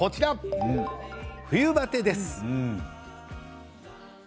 冬バテです。